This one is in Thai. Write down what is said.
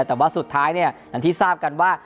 แต่ว่าสุดท้ายเนี่ยอย่างที่ทราบกันว่า